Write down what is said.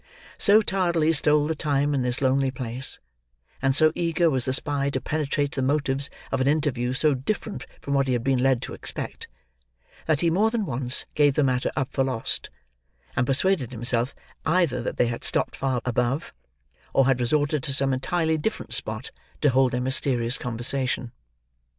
So tardily stole the time in this lonely place, and so eager was the spy to penetrate the motives of an interview so different from what he had been led to expect, that he more than once gave the matter up for lost, and persuaded himself, either that they had stopped far above, or had resorted to some entirely different spot to hold their mysterious conversation.